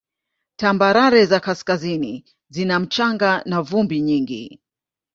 Tambarare za kaskazini zina mchanga na vumbi nyingi.